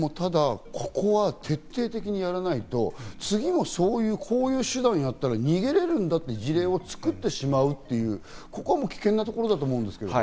ここは徹底的にやらないと次もこういう手段をやったら逃げられるんだという事例を作ってしまう、危険なところだと思うんですけど。